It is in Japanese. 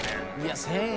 １０００円。